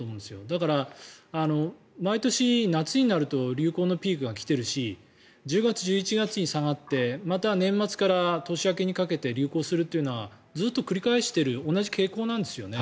だから毎年夏になると流行のピークが来てるし１０月、１１月に下がってまた年末から年明けにかけて流行するというのはずっと繰り返している同じ傾向なんですよね。